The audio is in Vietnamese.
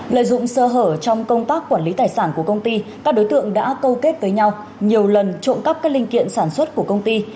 lợi dụng sơ hở trong công tác quản lý tài sản của công ty các đối tượng đã câu kết với nhau nhiều lần trộm cắp các linh kiện sản xuất của công ty